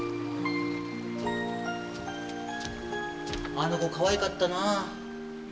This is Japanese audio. あの子かわいかったな。